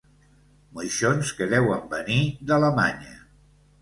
Moixons que deuen venir d'Alemanya.